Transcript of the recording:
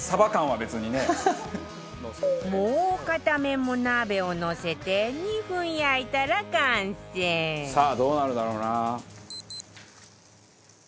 もう片面も鍋をのせて２分焼いたら完成さあどうなるだろうな？